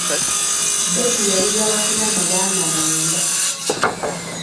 Beti yali wakuna mu baana mwenda